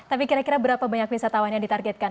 tapi kira kira berapa banyak wisatawan yang ditargetkan